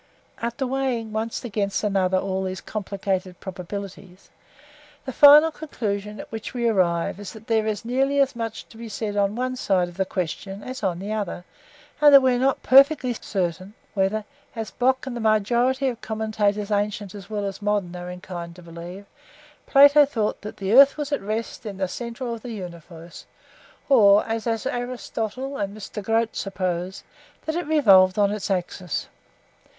After weighing one against the other all these complicated probabilities, the final conclusion at which we arrive is that there is nearly as much to be said on the one side of the question as on the other, and that we are not perfectly certain, whether, as Bockh and the majority of commentators, ancient as well as modern, are inclined to believe, Plato thought that the earth was at rest in the centre of the universe, or, as Aristotle and Mr. Grote suppose, that it revolved on its axis.